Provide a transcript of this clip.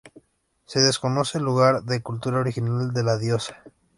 Se desconoce el lugar de cultura original de la diosa.